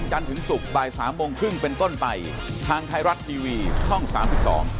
พบกันใหม่พรุ่งนี้บ่ายสามครึ่งครับสวัสดีครับ